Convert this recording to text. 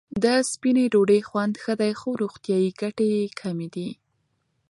د سپینې ډوډۍ خوند ښه دی، خو روغتیايي ګټې کمې دي.